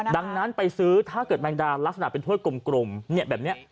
ดังนั้นไปซื้อถ้าเกิดแมงดาลักษณะเป็นถ้วยกลมแบบนี้